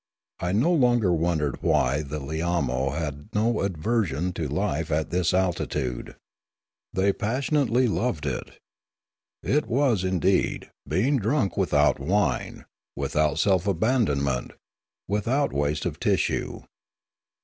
I no longer wondered why the Lilamo had no aver sion to life at this altitude. They passionately loved it. It was, indeed, being drunk without wine, without self abandonment, without waste of tissue.